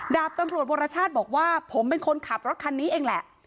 ดาบตำรวจวรชาติบอกว่าผมเป็นคนขับรถคันนี้เองแหละ